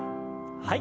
はい。